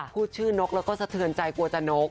พูดชื่อนกแล้วก็สะเทือนใจกลัวจะนก